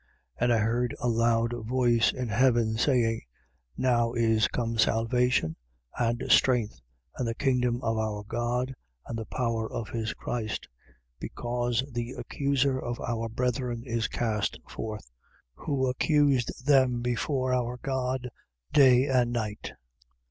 12:10. And I heard a loud voice in heaven, saying: Now is come salvation and strength and the kingdom of our God and the power of his Christ: because the accuser of our brethren is cast forth, who accused them before our God day and night.